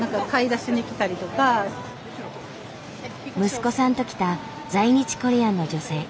息子さんと来た在日コリアンの女性。